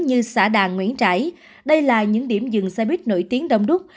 như xã đà nguyễn trãi đây là những điểm dừng xe buýt nổi tiếng đông đúc